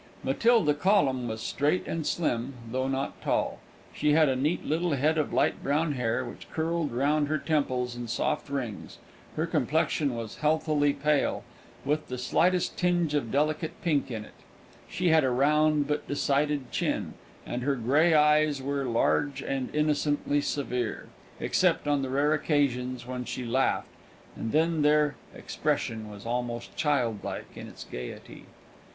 Matilda Collum was straight and slim, though not tall; she had a neat little head of light brown hair, which curled round her temples in soft rings; her complexion was healthily pale, with the slightest tinge of delicate pink in it; she had a round but decided chin, and her grey eyes were large and innocently severe, except on the rare occasions when she laughed, and then their expression was almost childlike in its gaiety.